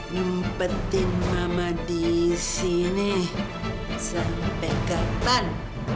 ngumpetin mama di sini sampai kapan